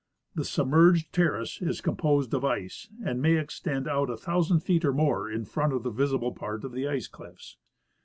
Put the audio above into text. The submerged terrace is composed of ice, and may extend out a thousand feet or more in front of the visible part of the ice cliffs.